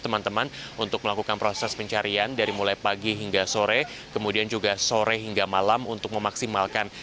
teman teman untuk melakukan proses pencarian dari mulai pagi hingga sore kemudian juga sore hingga malam untuk memaksimalkan